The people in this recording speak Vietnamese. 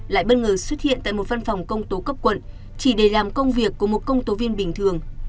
lại bất ngờ xuất hiện tại một văn phòng công tố cấp quận chỉ để làm công việc của một công tố viên bình thường